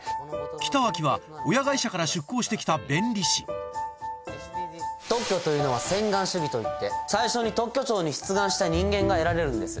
北脇は親会社から出向してきた弁理士特許というのは先願主義といって最初に特許庁に出願した人間が得られるんです。